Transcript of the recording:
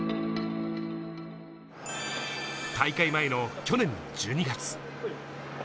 大会前の去年１２月。